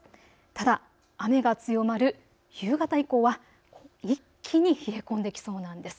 ただ雨が強まる夕方以降は一気に冷え込んできそうなんです。